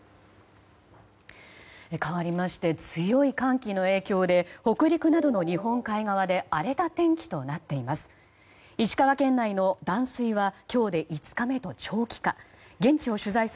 かわりまして強い寒気の影響で北陸などの日本海側で荒れた天気となっています。